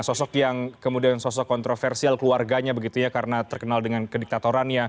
sosok yang kemudian sosok kontroversial keluarganya karena terkenal dengan kediktatoran